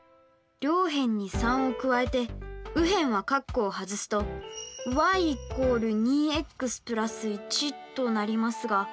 両辺に３を加えて右辺は括弧を外すとｙ＝２ｘ＋１となりますが。